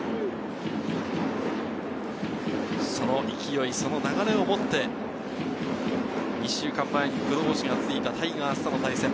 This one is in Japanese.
その勢い、その流れを持って、２週間前に黒星がついたタイガースとの対戦。